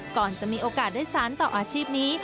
ก่อนจะมีโอกาสได้สารต่ออาชีพนี้